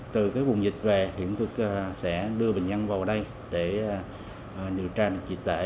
từ cái vùng dịch về thì chúng tôi sẽ đưa bệnh nhân vào đây để điều tra điều trị tệ